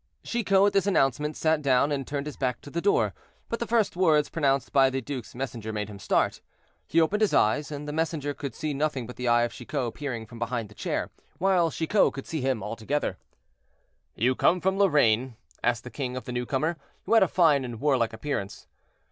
Chicot, at this announcement, sat down and turned his back to the door; but the first words pronounced by the duke's messenger made him start. He opened his eyes. The messenger could see nothing but the eye of Chicot peering from behind the chair, while Chicot could see him altogether. "You come from Lorraine?" asked the king of the new comer, who had a fine and warlike appearance.